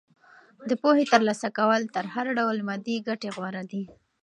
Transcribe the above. د پوهې ترلاسه کول تر هر ډول مادي ګټې غوره دي.